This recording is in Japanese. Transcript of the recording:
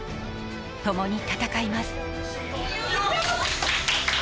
ともに戦います。